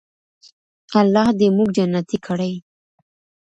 الله دې موږ جنتي کړي.